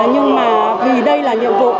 nhưng mà vì đây là nhiệm vụ